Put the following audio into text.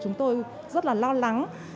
chúng tôi rất là lo lắng